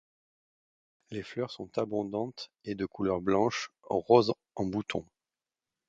Les fleurs sont abondantes et de couleur blanche, roses en bouton.